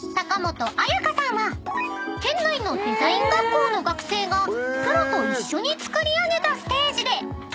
［県内のデザイン学校の学生がプロと一緒に作り上げたステージでトレンドを発信］